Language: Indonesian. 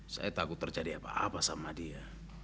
saya takut terjadi apa apa sama dia